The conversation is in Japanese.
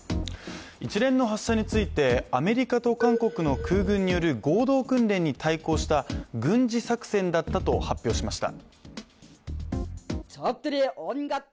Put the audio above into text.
一連の発射についてアメリカと韓国の合同訓練に対抗した軍事作戦だったと発表しました。